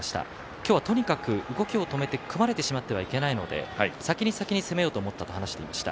今日は、とにかく動きを止めて組まれてしまってはいけないので先に先に攻めようと思ったと話していました。